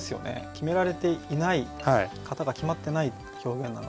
決められていない型が決まってない表現なので。